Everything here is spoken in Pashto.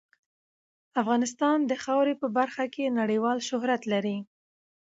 افغانستان د خاوره په برخه کې نړیوال شهرت لري.